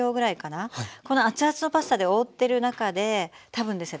この熱々のパスタで覆ってる中で多分ですね